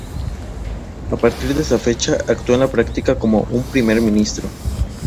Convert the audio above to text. A partir de esa fecha actuó en la práctica como un primer ministro.